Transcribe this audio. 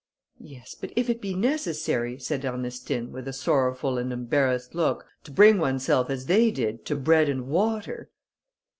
"Yes; but if it be necessary," said Ernestine, with a sorrowful and embarrassed look, "to bring oneself, as they did, to bread and water...."